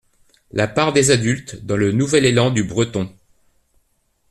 La part des adultes dans le nouvel élan du breton.